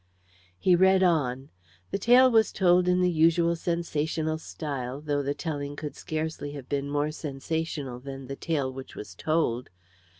'" He read on. The tale was told in the usual sensational style, though the telling could scarcely have been more sensational than the tale which was told.